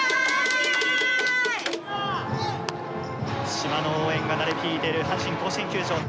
「島の応援が鳴り響いている阪神甲子園球場。